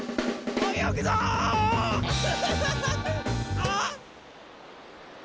あっ！